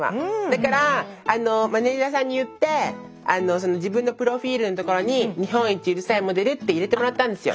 だからマネージャーさんに言って自分のプロフィールのところに「日本一うるさいモデル」って入れてもらったんですよ。